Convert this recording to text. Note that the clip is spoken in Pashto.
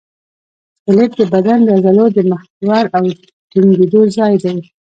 سکلیټ د بدن د عضلو د محور او ټینګېدو ځای دی.